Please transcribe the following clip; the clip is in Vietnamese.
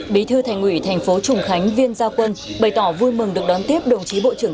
bí thư thành ủy thành phố trùng khánh viên gia quân bày tỏ vui mừng được đón tiếp đồng chí bộ trưởng